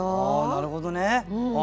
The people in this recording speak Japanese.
なるほどね。